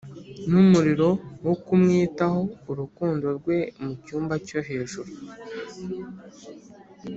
mu muriro wo kumwitaho urukundo rwe mucyumba cyo hejuru.